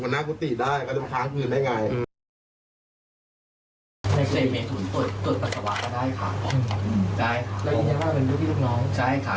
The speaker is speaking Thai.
ในเศรษฐ์ใอถุญตรวจปัสสาวะก็ได้ค่ะอืมก็ได้ค่ะ